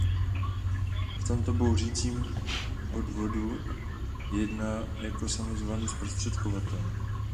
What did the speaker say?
V tomto pobuřujícím podvodu jedná jako samozvaný zprostředkovatel.